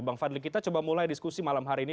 bang fadli kita coba mulai diskusi malam hari ini